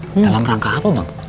dalam rangka apa bang